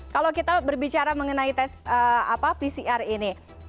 kalau kita berbicara mengenai pcr ini